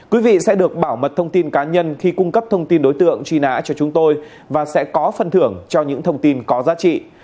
quý vị sẽ được bảo mật thông tin cá nhân khi cung cấp thông tin đối tượng truy nã cho chúng tôi và sẽ có phần thưởng cho những thông tin có giá trị